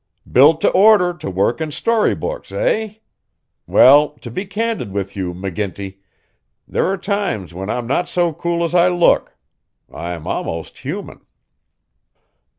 "Built to order to work in story books, eh? Well, to be candid with you, McGinty, there are times when I'm not so cool as I look. I'm almost human."